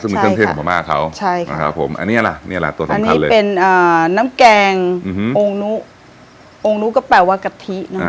ใช่ค่ะอันนี้อะไรนี่อะไรตัวสำคัญเลยอันนี้เป็นน้ำแกงองนุองนุก็แปลว่ากะทินะครับ